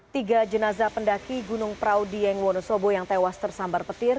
tiga jenazah pendaki gunung praudieng wonosobo yang tewas tersambar petir